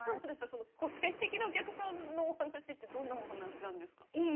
個性的なお客さんの話ってどんなお話なんですか。